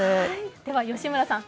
では吉村さん